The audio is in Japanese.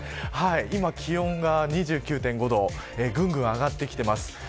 今、気温が２９．５度ぐんぐん上がってきています。